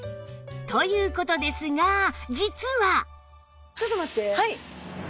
という事ですが実は